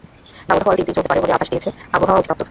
দাবদাহ আরও তিন দিন চলতে পারে বলে আভাস দিয়েছে আবহাওয়া দপ্তর।